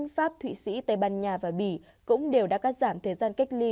pháp thụy sĩ tây ban nha và bỉ cũng đều đã cắt giảm thời gian cách ly